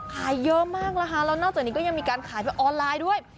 ขายเยอะมากนะคะแล้วนอกจากนี้ก็ยังมีการขายแบบออนไลน์ด้วย